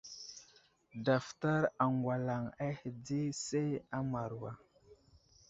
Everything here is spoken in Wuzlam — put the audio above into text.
Daftar aŋgalaŋ ahe di say a Mawra.